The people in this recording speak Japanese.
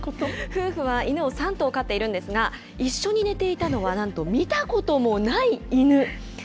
夫婦は犬を３頭飼ってるんですが、一緒に寝ていたのは、なんと見たこともない犬。